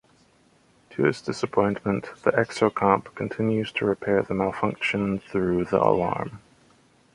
To his disappointment, the Exocomp continues to repair the malfunction through the alarm.